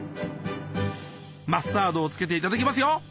マスタードをつけて頂きますよ。